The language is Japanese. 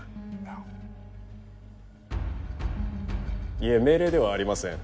いえ命令ではありません。